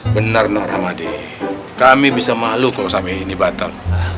benar normadi kami bisa malu kalau sampai ini batal